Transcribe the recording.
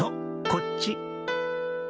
こっち